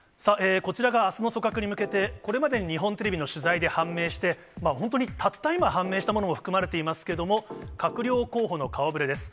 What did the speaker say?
こちらがあすの組閣に向けて、これまでに日本テレビの取材で判明して、本当にたった今、判明したものも含まれていますけども、閣僚候補の顔ぶれです。